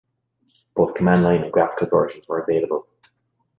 Both command line and graphical versions were available.